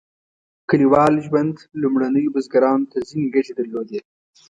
کلیوال ژوند لومړنیو بزګرانو ته ځینې ګټې درلودې.